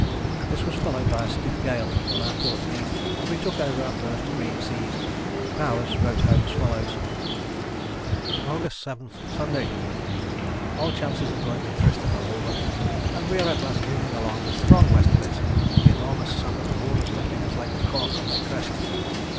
This was followed by a stiff gale on our port beam, and we took over our first green seas. Bowers wrote home as follows: August 7th, Sunday. "All chances of going to Tristan are over, and we are at last booming along with strong Westerlies with the enormous Southern rollers lifting us like a cork on their crests.